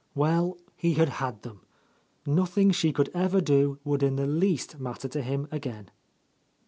Well, he had had theml Nothing she could ever do would in the least matter to him again.